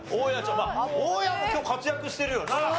まあ大家も今日活躍してるよな。